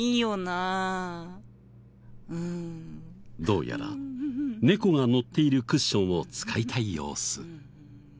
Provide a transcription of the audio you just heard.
どうやら猫がのっているクッションを使いたい様子。